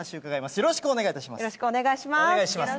よろしくお願いします。